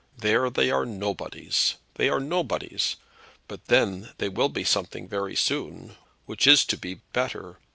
There they are nobodies they are nobodies; but then they will be something very soon, which is to be better.